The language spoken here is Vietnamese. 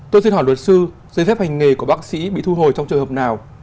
tôi xin hỏi luật sư giấy phép hành nghề của bác sĩ bị thu hồi trong trường hợp nào